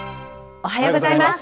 おはようございます。